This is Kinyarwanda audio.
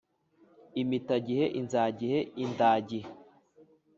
impitagihe, inzagihe, indagihe).